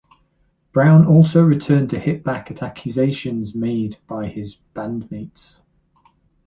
Brown also returned to hit back at accusations made by his bandmates.